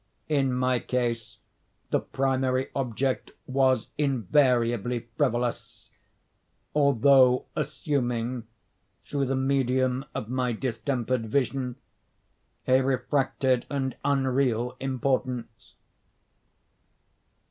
In my case, the primary object was invariably frivolous, although assuming, through the medium of my distempered vision, a refracted and unreal importance.